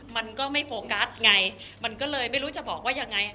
มันก็ไม่โฟกัสไงมันก็เลยไม่รู้จะบอกว่ายังไง